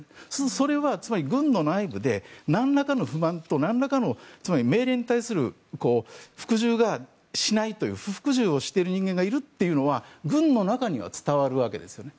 それはつまり軍の内部でなんらかの不満とつまり命令に対する服従しないという不服従をしている人間がいるのは軍の中には伝わるわけですね。